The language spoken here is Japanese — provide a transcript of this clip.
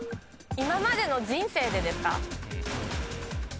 今までの人生でですか？